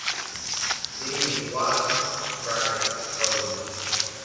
তিনি "what price Hollywood?"